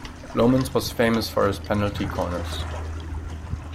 Lomans was famous for his penalty corners.